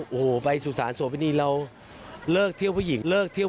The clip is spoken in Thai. โอ้โหไปสุสานสวพินีเราเลิกเที่ยวผู้หญิงเลิกเที่ยว